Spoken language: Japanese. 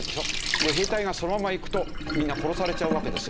で兵隊がそのまま行くとみんな殺されちゃうわけですよ。